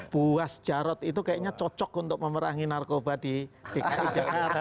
buas jarot itu kayaknya cocok untuk memerangi narkoba di jalan jalan tengah